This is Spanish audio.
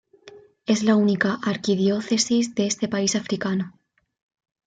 Es la única arquidiócesis de este país africano.